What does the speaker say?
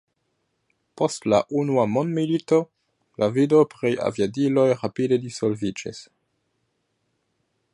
Post la unua mondmilito, la vido pri aviadiloj rapide disvolviĝis.